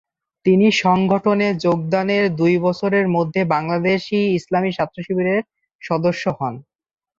তিনি সংগঠনে যোগদানের দুই বছরের মধ্যে বাংলাদেশ ইসলামী ছাত্র শিবিরের 'সদস্য' হন।